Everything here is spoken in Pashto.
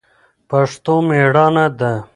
پښتو مېړانه ده